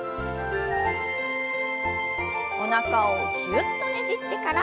おなかをぎゅっとねじってから。